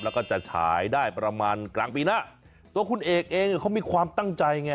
แล้วก็จะฉายได้ประมาณกลางปีหน้าตัวคุณเอกเองเขามีความตั้งใจไง